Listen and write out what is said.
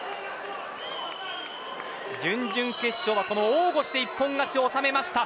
準々決勝はこの大腰で一本勝ちを納めました。